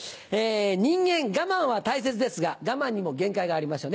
人間我慢は大切ですが我慢にも限界がありますよね。